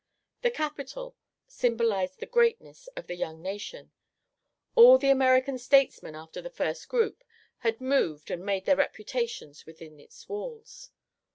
The Capitol symbolized the greatness of the young nation; all the famous American statesmen after the first group had moved and made their reputations within its walls.